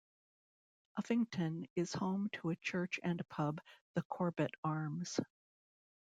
Uffington is home to a church and a pub, the Corbet Arms.